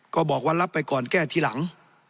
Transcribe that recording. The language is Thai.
ก็บอกว่ารับไปก่อนแก้ทีหลัง